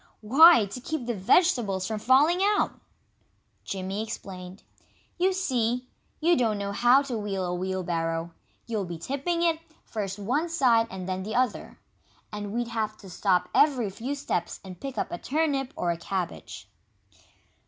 "Why, to keep the vegetables from falling out!" Jimmy explained. "You see, you don't know how to wheel a wheelbarrow. You'll be tipping it, first one side and then the other. And we'd have to stop every few steps and pick up a turnip or a cabbage."